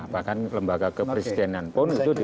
bahkan lembaga kepresidenan pun itu dibuat dua